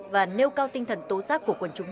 và nêu cao tinh thần tố giác của quần chúng